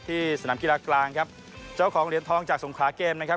สนามกีฬากลางครับเจ้าของเหรียญทองจากสงขาเกมนะครับ